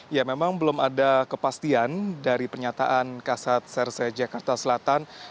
iya memang belum ada kepastian dari pernyataan kasus rspp jakarta selatan